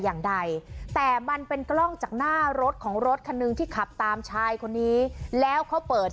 อย่างใดแต่มันเป็นกล้องจากหน้ารถของรถคันหนึ่งที่ขับตามชายคนนี้แล้วเขาเปิด